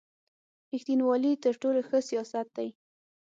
رېښتینوالي تر ټولو ښه سیاست دی.